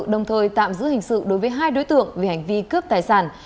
đồng thời tạm giữ hình sự đối với hai đối tượng vì hành vi cướp tài sản